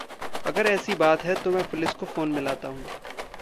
अगर ऐसी बात है तो मैं पुलिस को फ़ोन मिलाता हूँ।